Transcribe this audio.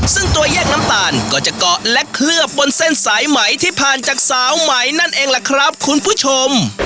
ซึ่งตัวแยกน้ำตาลก็จะเกาะและเคลือบบนเส้นสายไหมที่ผ่านจากสาวใหม่นั่นเองล่ะครับคุณผู้ชม